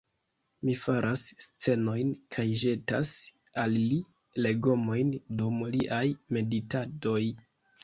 Mi faras scenojn kaj ĵetas al li legomojn dum liaj meditadoj.